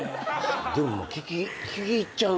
でも聞き入っちゃう。